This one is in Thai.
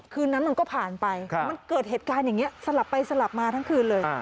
คืนนั้นมันก็ผ่านไปมันเกิดเหตุการณ์อย่างนี้สลับไปสลับมาทั้งคืนเลย